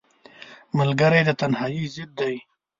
ملګری د تنهایۍ ضد دی